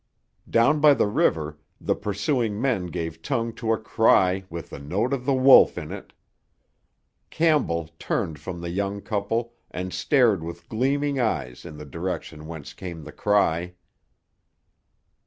Down by the river the pursuing men gave tongue to a cry with the note of the wolf in it. Campbell turned from the young couple and stared with gleaming eyes in the direction whence came the cry.